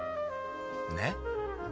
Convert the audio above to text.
ねっ？